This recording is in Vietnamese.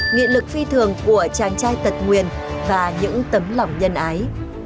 nghị lực phi thường của chàng trai tật nguyền và những tấm lòng nhân ái